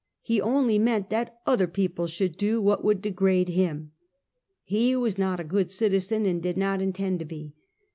He only meant that other people should do what would degrade him. He was not a good citizen, and did not intend to be.